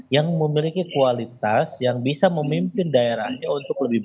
yang memiliki kualitas yang bisa memimpin daerahnya untuk lebih baik